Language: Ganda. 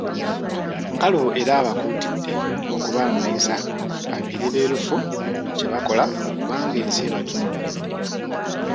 Nkalubo era abakuutidde okubaamu ensa, babeere beerufu mu buli kye bakola kubanga ensi ebatunuulidde.